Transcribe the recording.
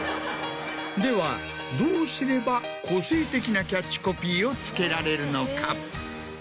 ではどうすれば個性的なキャッチコピーをつけられるのか？